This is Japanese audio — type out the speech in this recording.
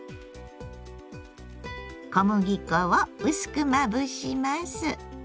小麦粉を薄くまぶします。